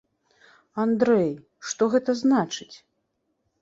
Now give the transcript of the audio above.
Андрэй, што гэта значыць?